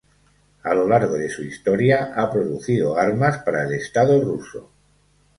A lo largo de su historia, ha producido armas para el estado ruso.